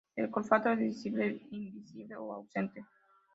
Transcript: El carpóforo visible, invisible o ausente.